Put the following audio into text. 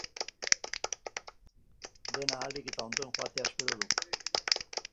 Dena ahalik eta ondoen joatea espero dugu.